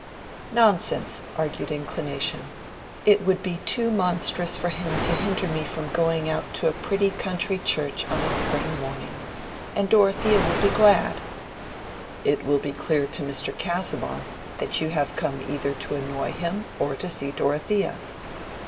"Nonsense!" argued Inclination, "it would be too monstrous for him to hinder me from going out to a pretty country church on a spring morning. And Dorothea will be glad." "It will be clear to Mr. Casaubon that you have come either to annoy him or to see Dorothea."